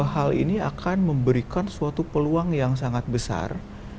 hal ini akan memberikan suatu peluang yang sangat besar